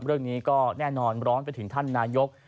เรื่องนี้ก็แน่นอนร้อนไปถึงท่านนายก